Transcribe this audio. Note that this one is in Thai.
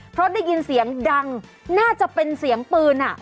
เพราะได้ยินเสียงดังน่าจะเป็นเสียงปืน